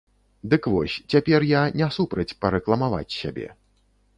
Дык вось, цяпер я не супраць парэкламаваць сябе.